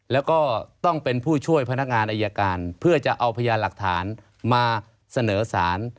แล้วก็ต้องเป็นผู้ช่วยพนักงานอายการเพื่อจะเอาพยานหลักฐานมาเสนอสาร